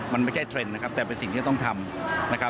มันไม่ใช่เทรนด์แต่เป็นสิ่งที่ต้องทำ